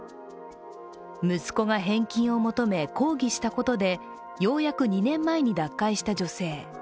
息子が返金を求め抗議したことでようやく２年前に脱会した女性。